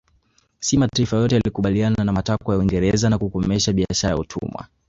Si mataifa yote yalikubaliana na matakwa ya Uingereza ya kukomesha biashara ya utumwa